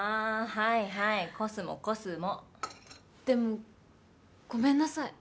はいはいコスモコスモでもごめんなさい